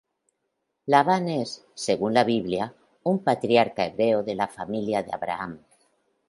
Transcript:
Labán es, según la Biblia, un patriarca hebreo de la familia de Abraham.